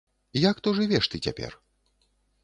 Як то жывеш ты цяпер?